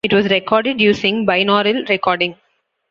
It was recorded using binaural recording.